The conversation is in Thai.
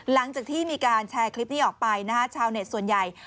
หลังจากที่มีการแชร์คลิปนี้ออกไปนะฮะชาวเน็ตส่วนใหญ่